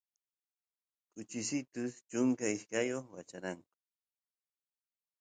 kuchisitus chunka ishkayoq wacharanku